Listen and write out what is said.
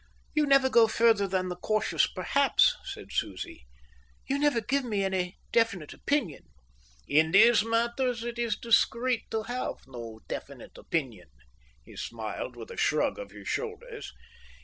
"You never go further than the cautious perhaps," said Susie. "You never give me any definite opinion." "In these matters it is discreet to have no definite opinion," he smiled, with a shrug of the shoulders.